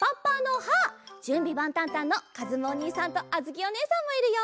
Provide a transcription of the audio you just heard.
「じゅんびばんたんたん！」のかずむおにいさんとあづきおねえさんもいるよ！